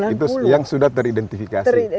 itu yang sudah teridentifikasi